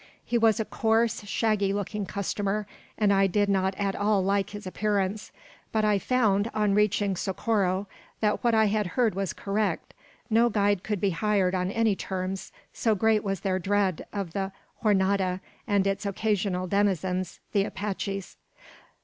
He was a coarse, shaggy looking customer, and I did not at all like his appearance; but I found, on reaching Socorro, that what I had heard was correct. No guide could be hired on any terms, so great was their dread of the Jornada and its occasional denizens, the Apaches.